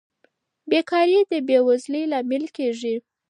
بېکاري د بې وزلۍ لامل کیږي.